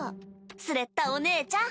スレッタお姉ちゃん。